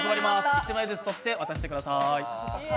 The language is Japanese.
１枚ずつ取って渡してください。